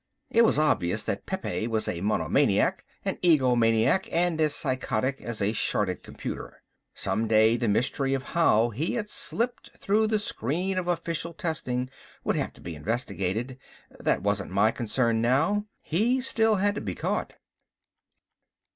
It was obvious that Pepe was a monomaniac, an egomaniac, and as psychotic as a shorted computer. Some day the mystery of how he had slipped through the screen of official testing would have to be investigated. That wasn't my concern now. He still had to be caught.